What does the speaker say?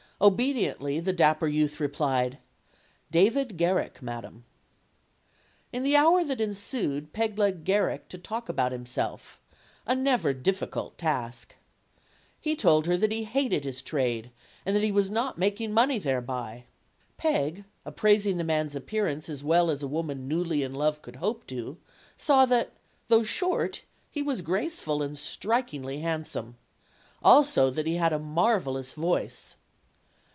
Obediently, the dapper youth replied: "David Garrick, madam." In the hour that ensued, Peg led Garrick to talk about himself a never difficult task. He told her that he hated his trade and that he was not making money thereby. Peg, appraising the man's appearance as well as a woman newly in love could hope to, saw that, though short, he was graceful and strikingly handsome. Also, that he had a marvelous voice.